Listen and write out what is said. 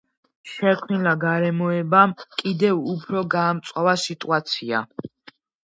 შექმნილმა გარემოებამ კიდევ უფრო გაამწვავა სიტუაცია.